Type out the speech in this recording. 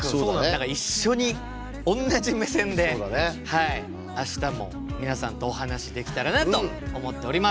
だから一緒に同じ目線で明日も皆さんとお話しできたらなと思っております。